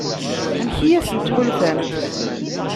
Amek i asent-tḥulfamt?